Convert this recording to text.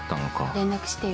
連絡してよ。